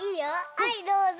はいどうぞ。